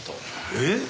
えっ？